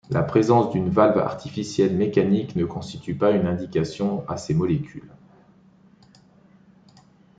La présence d'une valve artificielle mécanique ne constitue pas une indication à ces molécules.